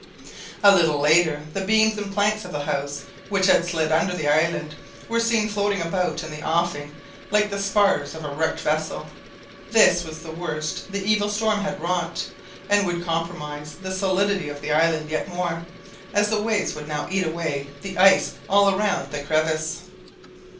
A little later the beams and planks of the house, which had slid under the island, were seen floating about in the offing like the spars of a wrecked vessel. This was the worst evil the storm had wrought, and would compromise the solidity of the island yet more, as the waves would now eat away the ice all round the crevasse.